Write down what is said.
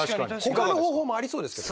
ほかの方法もありそうですけど。